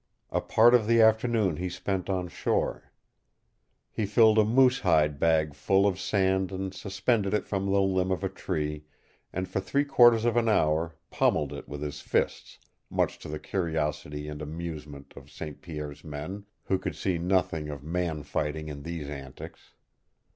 A part of the afternoon he spent on shore. He filled a moosehide bag full of sand and suspended it from the limb of a tree, and for three quarters of an hour pommeled it with his fists, much to the curiosity and amusement of St. Pierre's men, who could see nothing of man fighting in these antics.